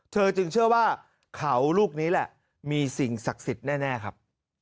จึงเชื่อว่าเขาลูกนี้แหละมีสิ่งศักดิ์สิทธิ์แน่ครับ